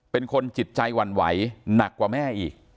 เป็นคนจิตใจหวั่นไหวหนักกว่าแม่อีก